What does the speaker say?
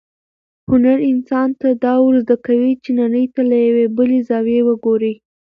هنر انسان ته دا ورزده کوي چې نړۍ ته له یوې بلې زاویې وګوري.